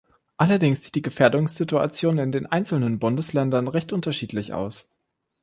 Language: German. Allerdings sieht die Gefährdungssituation in den einzelnen Bundesländern recht unterschiedlich aus.